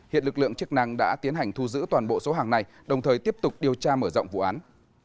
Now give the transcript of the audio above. hiện lực lượng chức năng đã tiến hành thu giữ toàn bộ số hàng này đồng thời tiếp tục điều tra mở rộng vụ án